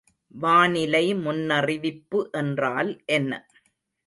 வானிலை முன்னறிவிப்பு என்றால் என்ன?